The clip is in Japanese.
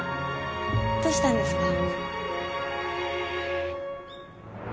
どうしたんですか？